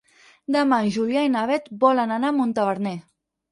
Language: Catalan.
Demà en Julià i na Beth volen anar a Montaverner.